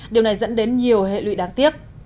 điều này dẫn đến nhiều hệ lụy đáng tiếc